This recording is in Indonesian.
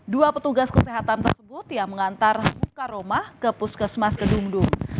dua petugas kesehatan tersebut yang mengantar buka rumah ke puskesmas kedungdung